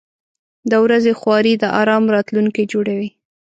• د ورځې خواري د آرام راتلونکی جوړوي.